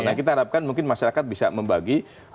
nah kita harapkan mungkin masyarakat bisa membagi